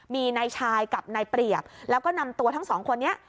มีนายชายกับนายเปรียบแล้วก็นำตัวทั้งสองคนนี้